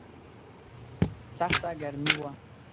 سخته ګرمي وه.